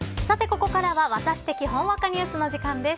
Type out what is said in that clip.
ここからはワタシ的ほんわかニュースの時間です。